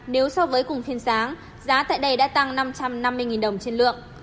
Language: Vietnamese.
nếu so với cùng phiên sáng giá tại đây đã tăng năm trăm năm mươi đồng trên lượng